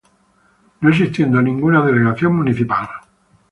No existiendo ninguna delegación municipal.